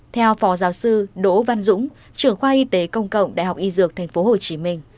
theo phó giáo sư đỗ văn dũng trưởng khoa y tế công cộng đại học y dược tp hcm